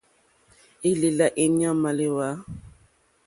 Élèlà éɲɔ̂ màléwá.